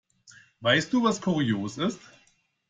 Weißt du, was kurios ist?